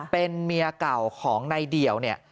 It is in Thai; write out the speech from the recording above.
เป็นเมียเก่าของนายเดี่ยวเนี่ย